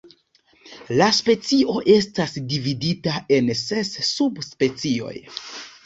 La specio estas dividita en ses subspecioj.